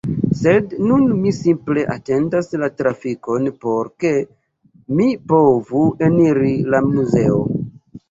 Sed nun mi simple atendas la trafikon por ke mi povu eniri la muzeo